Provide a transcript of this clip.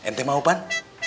nt mau pan